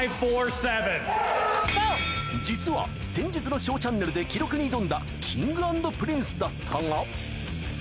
実は、先日のＳＨＯＷチャンネルで記録に挑んだＫｉｎｇ＆Ｐｒｉｎｃｅよし！